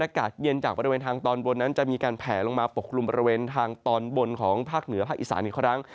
อากาศเย็นจากบริเวณทางตอนบนนั้นจะมีการแผลลงมาปกกลุ่มบริเวณทางตอนบนของภาคเหนือภาคอีสานอีกครั้ง